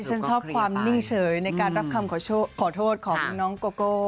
ฉันชอบความนิ่งเฉยในการรับคำขอโทษของน้องโกโก้